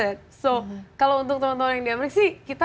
jadi kalau untuk teman teman yang di amerika sih kita